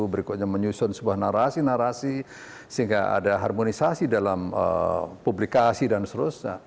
berikutnya menyusun sebuah narasi narasi sehingga ada harmonisasi dalam publikasi dan seterusnya